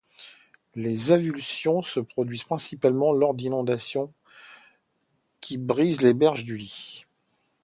Les avulsions se produisent principalement lors d'inondations, qui brisent les berges du lit.